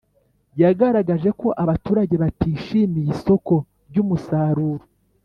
Yagaragaje ko abaturage batishimiye isoko ry ‘umusaruro.